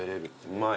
うまい。